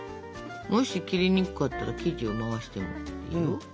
もし切りにくかったら生地を回してもいいよ。